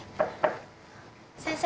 先生！